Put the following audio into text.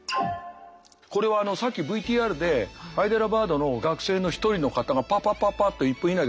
これはさっきＶＴＲでハイデラバードの学生の１人の方がパパパパッと１分以内でこれやってくれた。